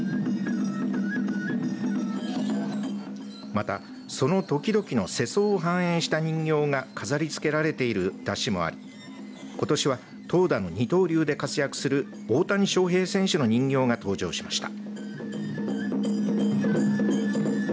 また、その時々の世相を反映した人形が飾りつけられている山車もありことしは投打の二刀流で活躍する大谷翔平選手の人形が登場しました。